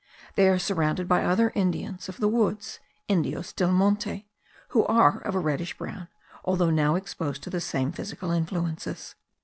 They are surrounded by other Indians of the woods (Indios del monte) who are of a reddish brown, although now exposed to the same physical influences.